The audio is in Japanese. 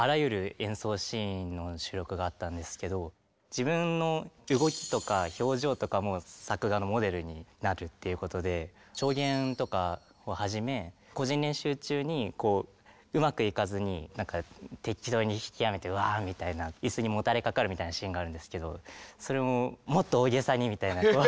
自分の動きとか表情とかも作画のモデルになるっていうことで調弦とかをはじめ個人練習中にうまくいかずに適当に弾きやめて「ワーッ」みたいな椅子にもたれかかるみたいなシーンがあるんですけどそれも「もっと大げさに」みたいなこう。